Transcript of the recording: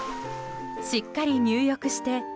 しっかり入浴して。